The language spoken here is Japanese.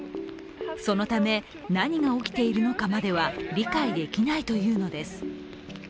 そのため、何が起きているのかまでは理解できないというのです。